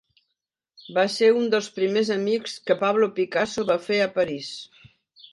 Va ser un dels primers amics que Pablo Picasso va fer a París.